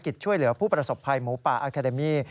ภารกิจช่วยเหลือผู้ประสบภัยหมูป่าอาคเดมี